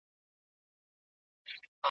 د انسان معنوي ارزښت ډېر لوړ دی.